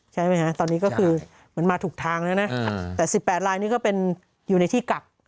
ใช่ไหมฮะตอนนี้ก็คือเหมือนมาถูกทางแล้วนะแต่๑๘ลายนี่ก็เป็นอยู่ในที่กัก